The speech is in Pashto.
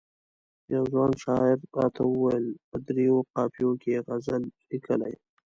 یوه ځوان شاعر راته وویل په دریو قافیو کې یې غزل لیکلی.